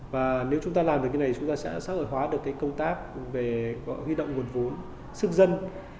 và nếu chúng ta làm được cái này chúng ta sẽ xã hội hóa được công tác về gọi ghi động nguồn vốn sức dân